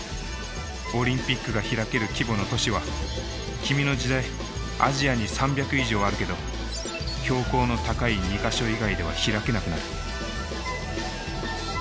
オリンピックが開ける規模の都市は君の時代アジアに３００以上あるけど標高の高い２か所以外では開けなくなる。